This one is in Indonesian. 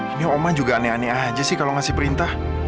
ini oman juga aneh aneh aja sih kalau ngasih perintah